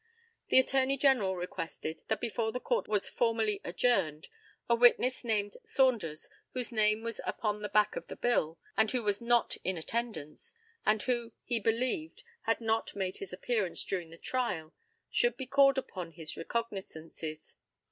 The ATTORNEY GENERAL requested that before the Court was formally adjourned a witness named Saunders, whose name was upon the back of the bill, and who was not in attendance, and who, he believed, had not made his appearance during the trial, should be called upon his recognizances.